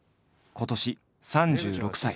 今年３６歳。